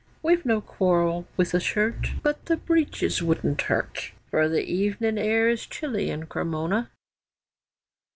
We've no quarrel with the shirt, But the breeches wouldn't hurt, For the evening air is chilly in Cremona.